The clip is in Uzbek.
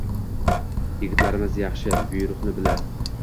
Yigitlarimiz yaxshi… Buyruqni bilar…